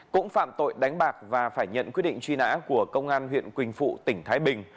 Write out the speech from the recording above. cũng phạm tội đánh bạc và phải nhận quyết định truy nã của công an huyện quỳnh phụ tỉnh thái bình